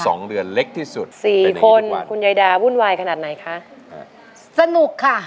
สองเดือนเล็กที่สุดสี่คนคุณยายดาวุ่นวายขนาดไหนคะอ่าสนุกค่ะ